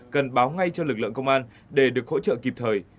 cần báo ngay cho lực lượng công an để được hỗ trợ kịp thời